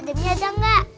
adamnya ada enggak